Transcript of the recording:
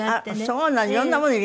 そうなの。